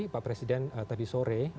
pak presiden tadi sore